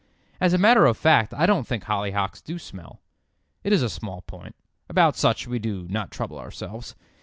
As a matter of fact I don't think hollyhocks do smell. It is a small point; about such we do not trouble ourselves.